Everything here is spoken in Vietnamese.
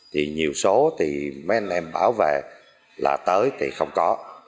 thì nhiều số thì mấy anh em bảo vệ là tới thì không có